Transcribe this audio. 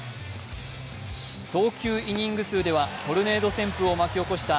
投球イニング数ではトルネード旋風を巻き起こした